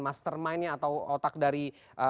mastermindnya atau otak dari